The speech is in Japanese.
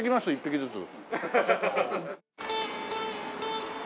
１匹ずつ。